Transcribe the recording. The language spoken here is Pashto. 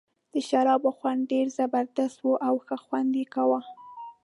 د شرابو خوند ډېر زبردست وو او ښه خوند یې کاوه.